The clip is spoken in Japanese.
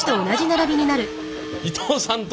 伊藤さんと。